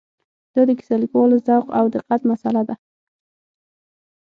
دا د کیسه لیکوالو ذوق او دقت مساله ده.